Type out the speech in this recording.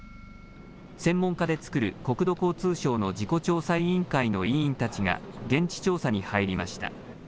専門家で作る国土交通省の事故調査委員会の委員たちが、現地調査に入りました。